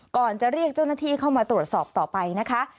ก่อนจะเรียกเจ้าหน้าที่เข้ามาตรวจสอบต่อไปนะคะ